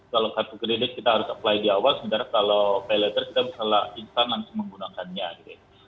kalau kartu kredit kita harus apply di awal sebenarnya kalau pay later kita bisa instan langsung menggunakannya gitu ya